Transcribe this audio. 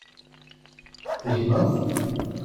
Tegneḍ?